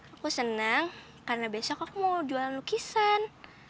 aku senang karena besok aku mau jual lukisan